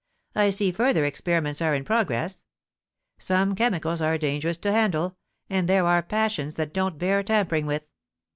I see further experiments are in progress. Some chemicals are dangerous to handle, and there are passions that don't bear tampering with.